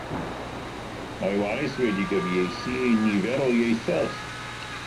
Mae ei waith wedi'i gyfieithu i nifer o ieithoedd.